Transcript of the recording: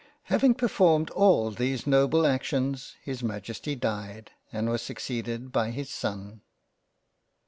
Having performed all these noble actions, his Majesty died, and was succeeded by his son.